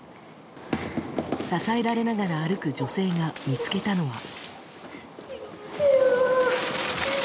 支えながら歩く女性が見つけたのは。